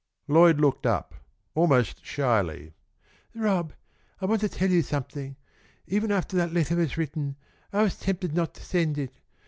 Lloyd looked up, almost shyly. "Rob, I want to tell you something. Even after that letter was written I was tempted not to send it.